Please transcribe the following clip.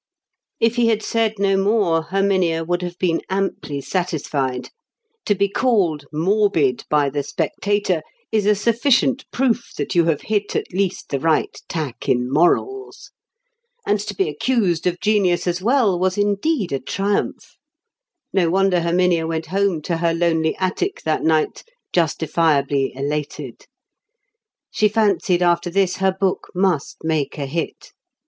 If he had said no more, Herminia would have been amply satisfied. To be called morbid by the Spectator is a sufficient proof that you have hit at least the right tack in morals. And to be accused of genius as well was indeed a triumph. No wonder Herminia went home to her lonely attic that night justifiably elated. She fancied after this her book must make a hit.